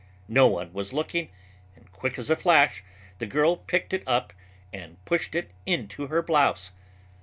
No one was looking and quick as a flash the girl picked it up and pushed it into her blouse.